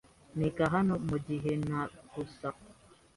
Niga hano mugihe nta rusaku.